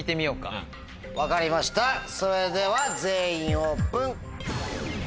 分かりましたそれでは全員オープン！